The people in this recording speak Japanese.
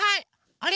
あれ？